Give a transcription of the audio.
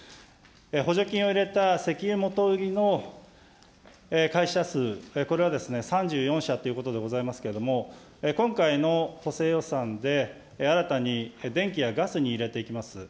補助金を入れた石油元売りの会社数、これはですね、３４社ということでございますけれども、今回の補正予算で、新たに電気やガスに入れていきます。